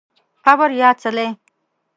قبر یا څلی